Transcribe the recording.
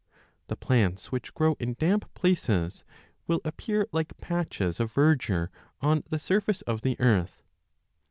The plants which grow in damp places will appear like patches of verdure on the surface of the earth.